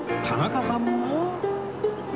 田中さんも？